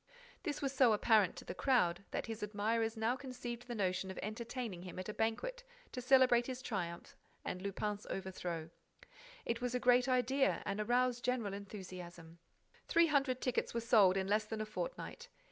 This was so apparent to the crowd that his admirers now conceived the notion of entertaining him at a banquet to celebrate his triumph and Lupin's overthrow. It was a great idea and aroused general enthusiasm. Three hundred tickets were sold in less than a fortnight.